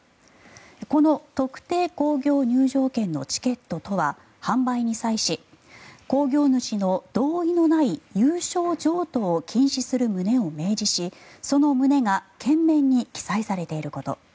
この特定興行入場券のチケットとは販売に際し、興行主の同意のない有償譲渡を禁止する旨を明示しその旨が券面に記載されていること。